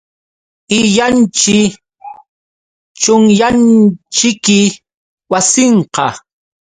Illanćhi, chunyanćhiki wasinqa.